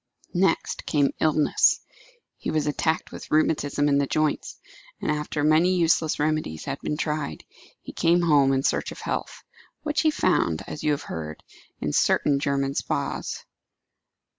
Next came illness. He was attacked with rheumatism in the joints; and after many useless remedies had been tried, he came home in search of health, which he found, as you have heard, in certain German spas.